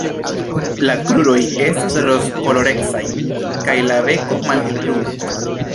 La kruroj estas rozkolorecaj kaj la beko malhelbruna.